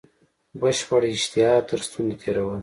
بشپړه اشتها تر ستوني تېرول.